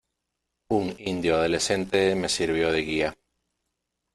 un indio adolescente me sirvió de guía.